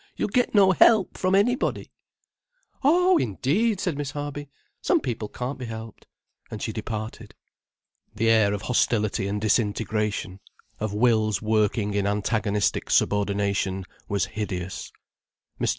"You'll get no help from anybody." "Oh, indeed!" said Miss Harby. "Some people can't be helped." And she departed. The air of hostility and disintegration, of wills working in antagonistic subordination, was hideous. Mr.